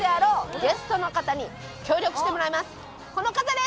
この方です！